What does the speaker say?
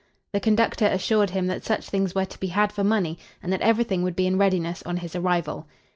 The conductor assured him that such things were to be had for money, and that everything would be in readiness on his arrival.